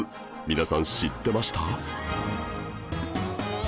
皆さん知ってました？